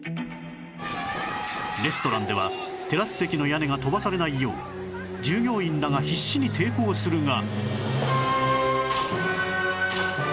レストランではテラス席の屋根が飛ばされないよう従業員らが必死に抵抗するが